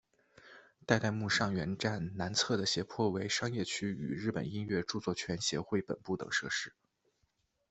代代木上原站南侧的斜坡为商业区与日本音乐着作权协会本部等设施。